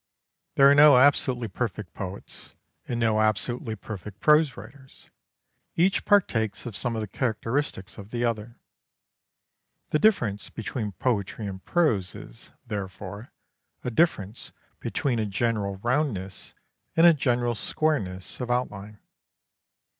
There are no absolutely perfect poets and no absolutely perfect prose writers. Each partakes of some of the characteristics of the other. The difference between poetry and prose is, therefore, a difference between a general roundness and a general squareness of outline.